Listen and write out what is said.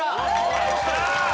はいきた！